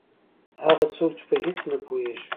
هغه څوک چې په هېڅ نه پوهېږي.